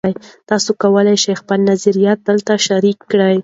تاسي کولای شئ خپل نظریات دلته شریک کړئ.